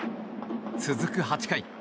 続く８回。